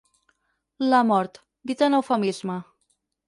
La mort, dita en eufemisme.